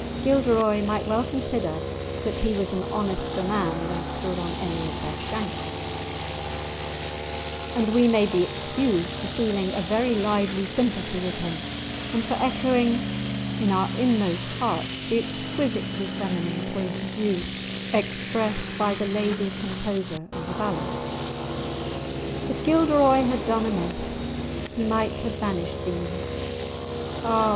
Gilderoy might well consider that he was "an honester man than stood on any of their shanks," and we may be excused for feeling a very lively sympathy with him, and for echoing in our inmost hearts the exquisitely feminine point of view expressed by the lady composer of the ballad. "If Gilderoy had done amiss, He might have banished been; Ah!